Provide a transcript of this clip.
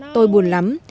tôi buồn lắm